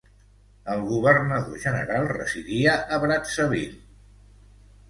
El governador general residia a Brazzaville.